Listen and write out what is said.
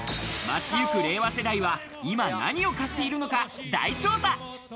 街ゆく令和世代は今何を買っているのか大調査。